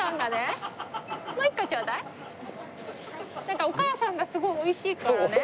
なんかお母さんがすごい美味しいからね。